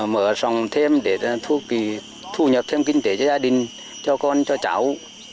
mở rộng thêm để thu nhập thêm kinh tế cho gia đình cho con cho cháu